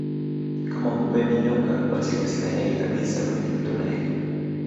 Kama hupendi nyoka basi usikanyage kabisa kwenye mto naili